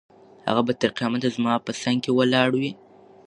هغه به تر قیامته زما په څنګ کې ولاړه وي.